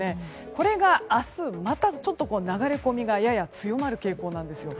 これが明日また流れ込みがやや強まる傾向なんですよ。